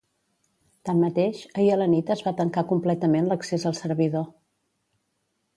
Tanmateix, ahir a la nit es va tancar completament l’accés al servidor.